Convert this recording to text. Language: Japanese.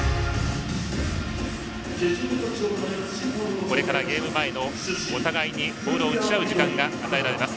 これからゲーム前のお互いにボールを打ち合う時間が与えられます。